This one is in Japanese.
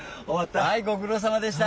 はいごくろうさまでした。